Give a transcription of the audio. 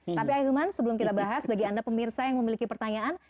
tapi ahilman sebelum kita bahas bagi anda pemirsa yang memiliki pertanyaan